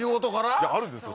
いやあるんですよ